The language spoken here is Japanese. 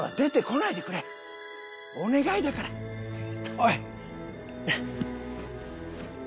おい！